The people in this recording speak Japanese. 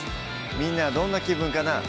みんなはどんな気分かなぁ